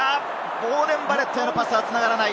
ボーデン・バレットへのパスは繋がらない。